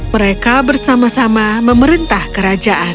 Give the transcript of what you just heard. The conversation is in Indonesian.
mereka bersama sama memerintah kerajaan